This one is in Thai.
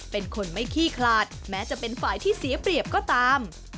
เป็นคนไม่ขี้คลาดแม้จะเป็นฝ่ายที่เสียเปรียบก็ตาม